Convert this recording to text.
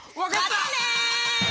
またね！